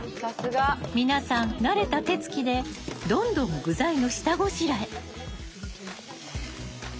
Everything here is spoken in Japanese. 皆さん慣れた手つきでどんどん具材の下ごしらえ。